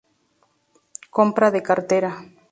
Compra de cartera.